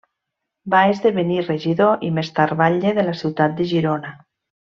Va esdevenir regidor i més tard batlle de la ciutat de Girona.